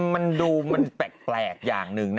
มันดูมันแปลกอย่างหนึ่งนะ